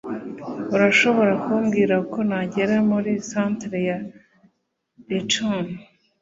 Urashobora kumbwira uko nagera muri Centre ya Lincoln?